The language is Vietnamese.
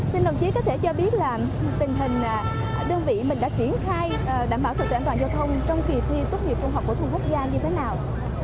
xin đồng chí có thể cho biết là tình hình đơn vị mình đã triển khai đảm bảo trật tự an toàn giao thông trong kỳ thi tốt nghiệp công học của thùng hốc gian như thế nào